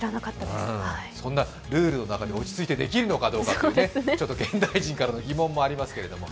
そんなルールの中で落ち着いてできるかどうかという現代人からの疑問もありますけれども。